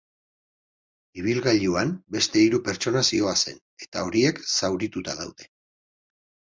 Ibilgailuan beste hiru pertsona zihoazen eta horiek zaurituta daude.